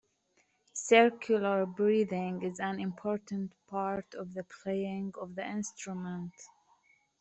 Circular breathing is an important part of the playing of the instrument.